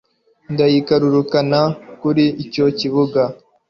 ndayikarurukana kuri icyo kibuga